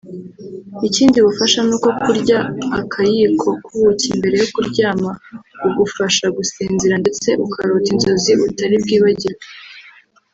ikindi bufasha nuko kurya akayiko k’ubuki mbere yo kuryama bugufasha gusinzira ndetse ukarota inzozi utari bwibagirwe